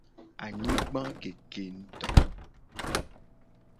Anyigba keke nguto.